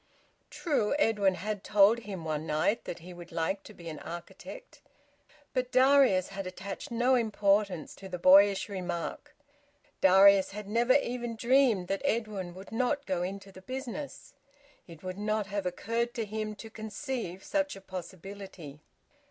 True, Edwin had told him one night that he would like to be an architect. But Darius had attached no importance to the boyish remark. Darius had never even dreamed that Edwin would not go into the business. It would not have occurred to him to conceive such a possibility.